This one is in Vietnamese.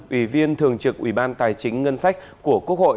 ủy viên thường trực ủy ban tài chính ngân sách của quốc hội